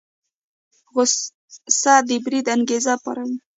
غوسه د بريد انګېزه پاروي.